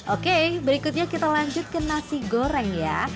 oke berikutnya kita lanjut ke nasi goreng ya